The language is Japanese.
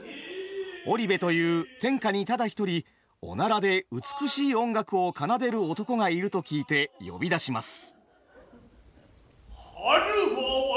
織部という天下にただ一人おならで美しい音楽を奏でる男がいると聞いて呼び出します。